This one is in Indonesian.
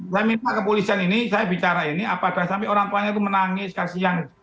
saya minta ke polisian ini saya bicara ini apa ada sampai orang tuanya itu menangis kasihan